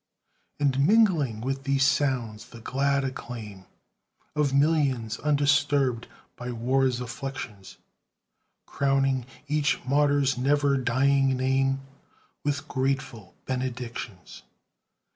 And mingling with these sounds, the glad acclaim Of millions undisturbed by war's afflictions, Crowning each martyr's never dying name With grateful benedictions.